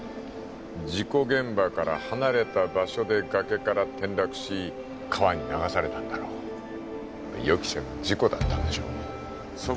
事故現場から離れた場所で崖から転落し川に流されたんだろう予期せぬ事故だったんでしょう蕎麦